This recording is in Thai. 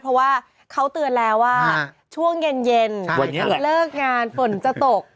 เพราะว่าเขาเตือนแล้วว่าช่วงเย็นเลิกงานฝนจะตก